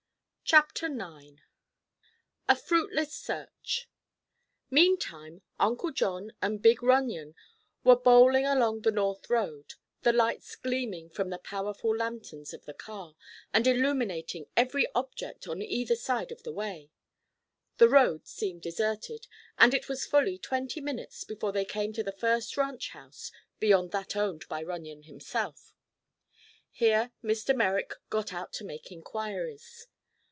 CHAPTER IX—A FRUITLESS SEARCH Meantime, Uncle John and big Runyon were bowling along the north road, the lights gleaming from the powerful lanterns of the car and illuminating every object on either side of the way. The road seemed deserted and it was fully twenty minutes before they came to the first ranch house beyond that owned by Runyon himself. Here Mr. Merrick got out to make inquiries.